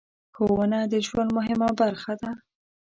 ښوونه د ژوند مهمه برخه ده.